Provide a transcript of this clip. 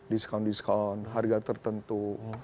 diskaun diskun harga tertentu